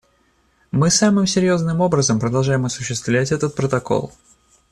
Мы самым серьезным образом продолжаем осуществлять этот Протокол.